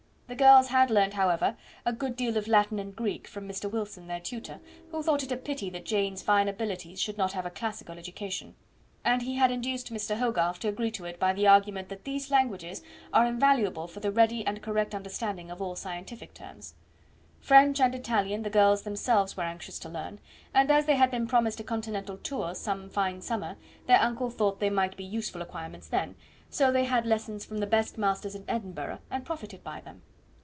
The girls had learned, however, a good deal of Latin and Greek from Mr. Wilson, their tutor, who thought it a pity that Jane's fine abilities should not have a classical education; and he had induced Mr. Hogarth to agree to it by the argument that these languages are invaluable for the ready and correct understanding of all scientific terms. French and Italian the girls themselves were anxious to learn; and as they had been promised a continental tour some fine summer, their uncle thought they might be useful acquirements then, so they had lessons from the best masters in Edinburgh, and profited by them.